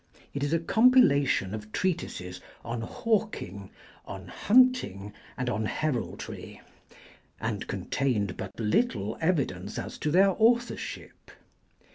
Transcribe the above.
It is a compilation of treatises on hawking, on hunting, and on heraldry, and contained but little evidence as to their authorship.